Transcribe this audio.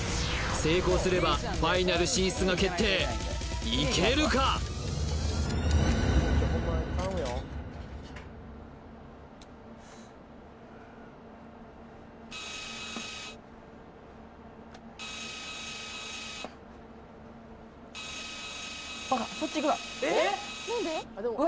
成功すればファイナル進出が決定いけるかバカそっちいくなうわ